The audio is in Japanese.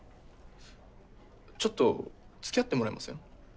ちょっとつきあってもらえません？